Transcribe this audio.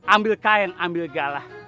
ambil kain ambil galah